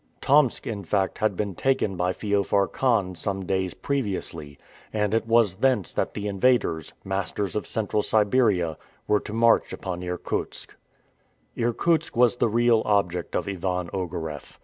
Tomsk, in fact, had been taken by Feofar Khan some days previously, and it was thence that the invaders, masters of Central Siberia, were to march upon Irkutsk. Irkutsk was the real object of Ivan Ogareff.